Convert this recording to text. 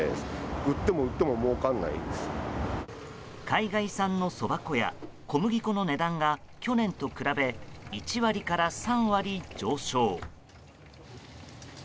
海外産のそば粉や小麦粉の値段が去年と比べ、１割から３割上昇。